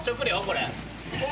これ。